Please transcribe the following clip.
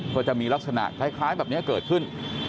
ก็จะมีลักษณะคล้ายแบบนี้เกิดขึ้น